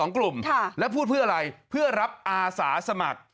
กลุ่มแล้วพูดเพื่ออะไรเพื่อรับอาสาสมัคร